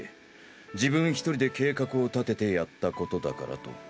自分一人で計画を立ててやった事だからと。